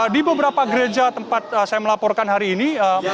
di beberapa gereja tempat saya melaporkan hari ini